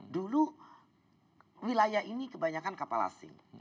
dulu wilayah ini kebanyakan kapal asing